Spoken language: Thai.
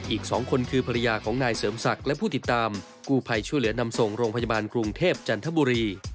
อีก๒คนคือภรรยาของนายเสริมศักดิ์และผู้ติดตามกู้ภัยช่วยเหลือนำส่งโรงพยาบาลกรุงเทพจันทบุรี